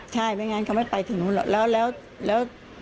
เขารับและรับบ้างไม่รับบ้าง